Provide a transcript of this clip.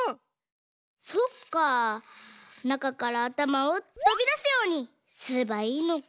そっかなかからあたまをとびだすようにすればいいのか。